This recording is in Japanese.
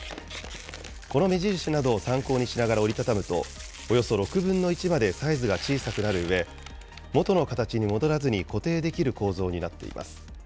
この目印などを参考にしながら折り畳むと、およそ６分の１までサイズが小さくなるうえ、元の形に戻らずに固定できる構造になっています。